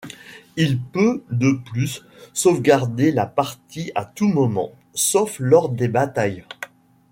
Il peut de plus sauvegarder la partie à tout moment, sauf lors des batailles.